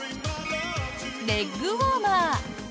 レッグウォーマー。